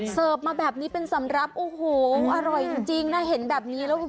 เสิร์ฟมาแบบนี้เป็นสำหรับโอ้โหอร่อยจริงจริงน่ะเห็นแบบนี้แล้วก็